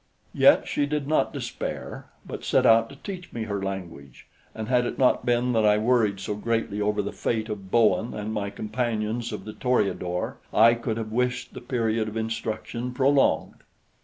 Yet she did not despair, but set out to teach me her language; and had it not been that I worried so greatly over the fate of Bowen and my companions of the Toreador, I could have wished the period of instruction prolonged.